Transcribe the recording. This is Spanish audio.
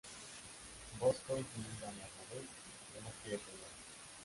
Bosco intimida a Marmaduke, que no quiere pelear.